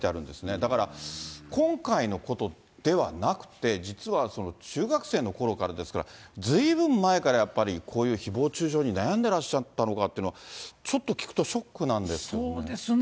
だから、今回のことではなくて、実は中学生のころからですから、ずいぶん前からやっぱり、こういうひぼう中傷に悩んでらっしゃったのかというのは、ちょっそうですね。